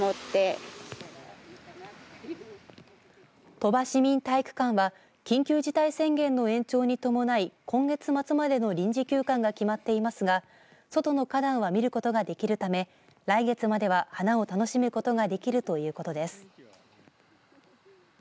鳥羽市民体育館は緊急事態宣言の延長に伴い今月末までの臨時休館が決まっていますが外の花壇は見ることができるため来月までは花を楽しむことができるということです。